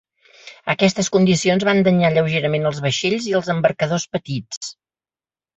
Aquestes condicions van danyar lleugerament els vaixells i els embarcadors petits.